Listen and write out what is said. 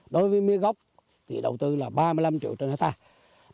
đối với mía gốc thì đầu tư là ba mươi năm triệu trên hectare